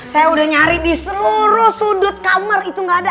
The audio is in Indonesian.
saya udah nyari di seluruh sudut kamar itu gak ada